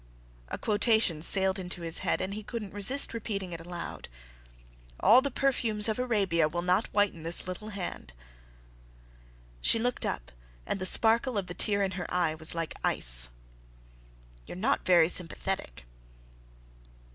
A quotation sailed into his head and he couldn't resist repeating it aloud. "All the perfumes of Arabia will not whiten this little hand." She looked up and the sparkle of the tear in her eye was like ice. "You're not very sympathetic."